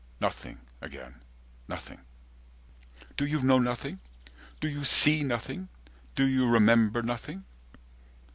Nothing again nothing. 120 "Do "You know nothing? Do you see nothing? Do you remember "Nothing?"